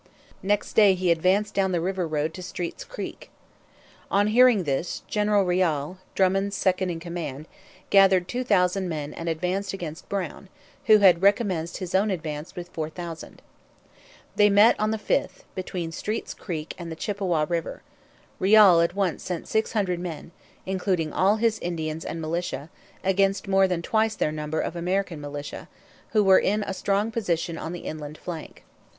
Next day he advanced down the river road to Street's Creek. On hearing this, General Riall, Drummond's second in command, gathered two thousand men and advanced against Brown, who had recommenced his own advance with four thousand. They met on the 5th, between Street's Creek and the Chippawa river. Riall at once sent six hundred men, including all his Indians and militia, against more than twice their number of American militia, who were in a strong position on the inland flank.